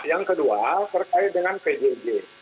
yang kedua terkait dengan pjj